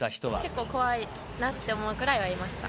結構怖いなって思うくらいはいました。